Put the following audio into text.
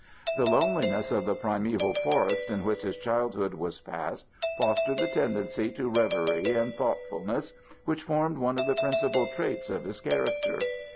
The loneliness of the primeval forests in which his childhood was passed fostered the tendency to reverie and thoughtfulness which formed one of the principal traits of his character.